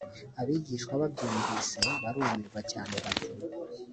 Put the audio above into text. abigishwa babyumvise barumirwa cyane bati